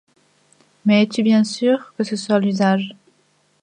Mais es-tu bien sûre que ce soit l'usage ?